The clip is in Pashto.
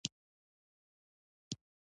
حکومتونه یې ټوریزم ته ارزښت نه ورکوي.